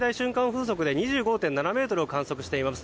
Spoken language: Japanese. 風速で２５．７メートルを観測しています。